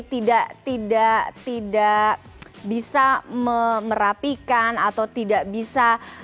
tidak bisa merapikan atau tidak bisa